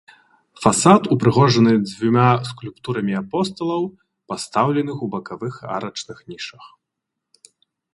Фасад упрыгожаны дзвюма скульптурамі апосталаў, пастаўленых у бакавых арачных нішах.